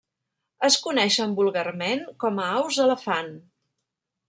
Es coneixen vulgarment com a aus elefant.